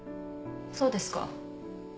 そうですか。